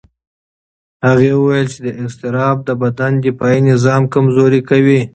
هغه وویل چې اضطراب د بدن دفاعي نظام کمزوري کوي.